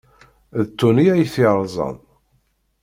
D Tony ay t-yerẓan.